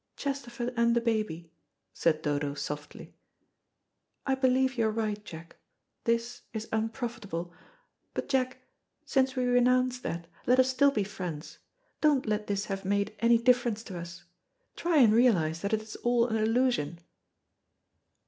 "Chesterford and the baby," said Dodo softly. "I believe you are right, Jack. This is unprofitable. But, Jack, since we renounce that, let us still be friends. Don't let this have made any difference to us. Try and realise that it is all an illusion."